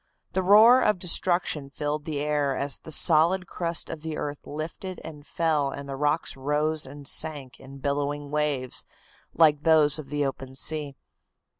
The roar of destruction filled the air as the solid crust of the earth lifted and fell and the rocks rose and sank in billowing waves like those of the open sea.